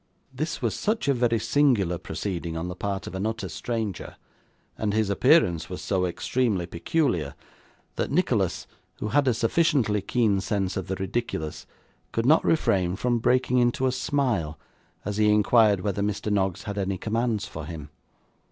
This was such a very singular proceeding on the part of an utter stranger, and his appearance was so extremely peculiar, that Nicholas, who had a sufficiently keen sense of the ridiculous, could not refrain from breaking into a smile as he inquired whether Mr. Noggs had any commands for him.